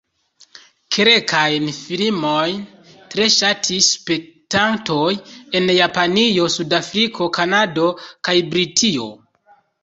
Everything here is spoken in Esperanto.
Kelkajn filmojn tre ŝatis spektantoj en Japanio, Sud-Afriko, Kanado kaj Britio.